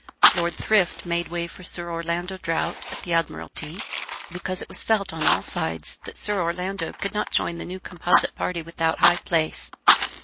Lord Thrift made way for Sir Orlando Drought at the Admiralty, because it was felt on all sides that Sir Orlando could not join the new composite party without high place.